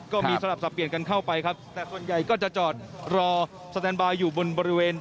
ก็มีสลับสับเปลี่ยนกันเข้าไปครับแต่ส่วนใหญ่ก็จะจอดรอสแตนบายอยู่บนบริเวณ